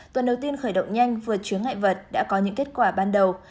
tuần đầu tiên khởi động nhanh vượt chứng ngại vật đã có những kết quả ban đầu